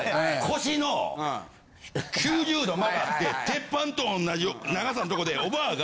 腰の９０度曲がって鉄板と同じ長さのとこでおばあが。